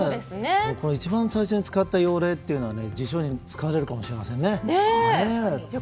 この一番最初に使った用例というのは辞書に使われるかもしれないですね。